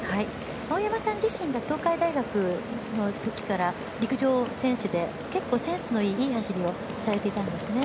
青山さん自身が東海大学のときから陸上選手で結構センスのいい走りをされてたんですね。